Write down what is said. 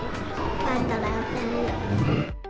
帰ったらやってみる。